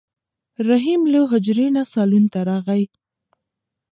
رحیم له حجرې نه صالون ته راغی.